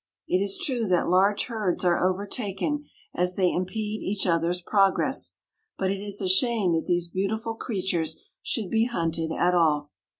It is true that large herds are overtaken, as they impede each other's progress, but it is a shame that these beautiful creatures should be hunted at all.